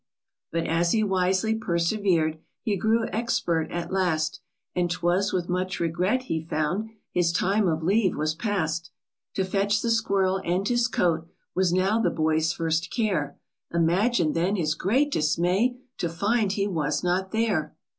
But as he wisely persever'd, He grew expert at last ; And 'twas with much regret he found His time of leave was passed. To fetch the squirrel and his coat Was now the boy's first care ; imagine then his great dismay To find he was not there